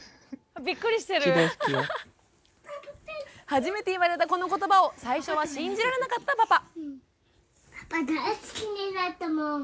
初めて言われたこの言葉を最初は信じられなかったパパ。